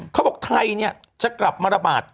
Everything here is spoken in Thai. เขาบอกไทยเนี่ยจะกลับมาระบาด